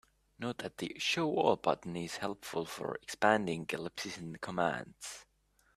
Note that the "Show all" button is helpful for expanding ellipses in commands.